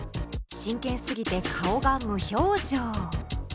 真剣すぎて顔が無表情。